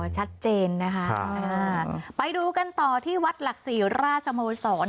อ๋อชัดเจนนะคะค่ะใช่ค่ะไปดูกันต่อที่วัดหลักศรีราชธรรคศตัว